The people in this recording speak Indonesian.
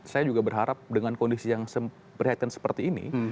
saya juga berharap dengan kondisi yang prihatin seperti ini